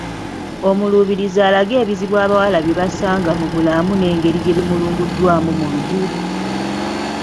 Omuluubirizi alage ebizibu abawala bye basanga mu bulamu n’engeri gye bimulunguddwa mu lugero